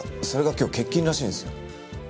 それが今日欠勤らしいんですよ。